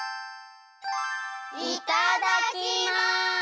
いただきます！